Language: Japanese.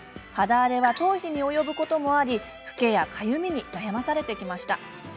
肌荒れは頭皮に及ぶこともありフケやかゆみに悩まされてきました。